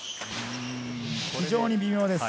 非常に微妙です。